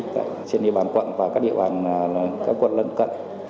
trên địa bàn quận và các địa bàn các quận lận cận